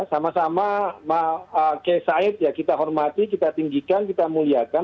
sama sama kiai said ya kita hormati kita tinggikan kita muliakan